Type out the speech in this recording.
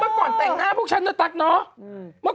เมื่อก่อนแต่งหน้าพวกฉันจะตัดเนอะ